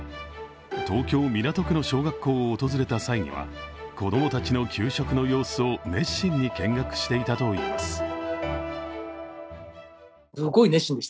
東京・港区の小学校を訪れた際には子供たちの給食の様子を熱心に見学していたといいます。